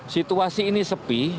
situasi ini sepi